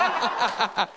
ハハハハ！